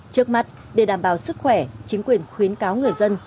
trước mắt để đảm bảo sức khỏe chính quyền khuyến cáo người dân